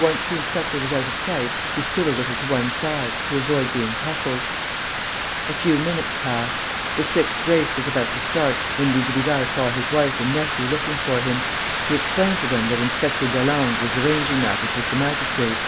Once the inspector was out of sight, he stood a little to one side, to avoid being hustled. A few minutes passed. The sixth race was about to start, when Dugrival saw his wife and nephew looking for him. He explained to them that Inspector Delangle was arranging matters with the magistrate.